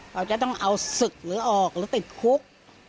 เราจะต้องเอาศึกหรือออกหรือติดคุก